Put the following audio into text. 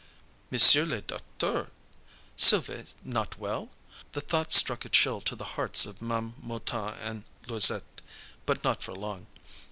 Monsieur le docteur! Sylves' not well! The thought struck a chill to the hearts of Ma'am Mouton and Louisette, but not for long.